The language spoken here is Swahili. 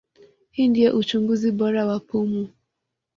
Hii ndio uchunguzi bora wa pumu.